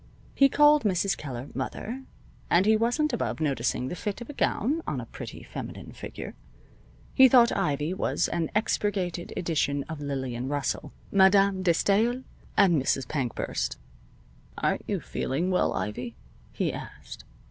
He called Mrs. Keller "Mother," and he wasn't above noticing the fit of a gown on a pretty feminine figure. He thought Ivy was an expurgated edition of Lillian Russell, Madame De Stael, and Mrs. Pankburst. "Aren't you feeling well, Ivy?" he asked.